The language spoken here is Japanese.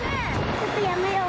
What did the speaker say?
ちょっとやめよう。